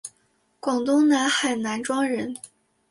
广东南海南庄人。